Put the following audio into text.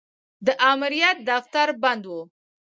د امریت دفتر بند و.